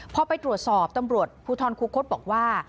พอไปตรวจสอบตำรวจภูทรคูคศบอกว่า